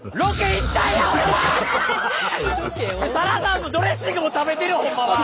サラダドレッシングも食べてるわほんまは！